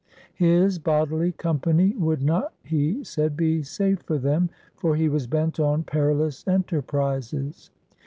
His bodily company would not he said be safe for them, for he was bent on perilous enterprises.